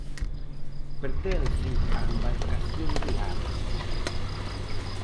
Pertence á embarcación de Ares.